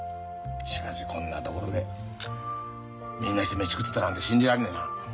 しかしこんな所でみんなして飯食ってたなんて信じられねえな。